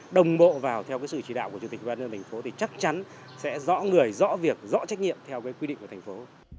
đồng bộ vào theo sự chỉ đạo của chủ tịch ban nhân thành phố thì chắc chắn sẽ rõ người rõ việc rõ trách nhiệm theo quy định của thành phố